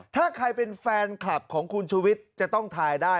ถ้าใครเป็นแฟนคลับของคุณชุวิตจะต้องถ่ายได้